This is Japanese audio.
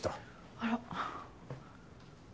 あら。